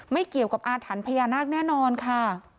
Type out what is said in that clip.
ไม่เกี่ยวกับอาถรรพ์พญานาคแน่นอนค่ะ